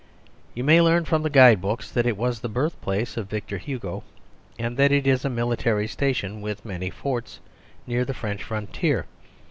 You may learn from the guide books that it was the birthplace of Victor Hugo, and that it is a military station with many forts, near the French frontier.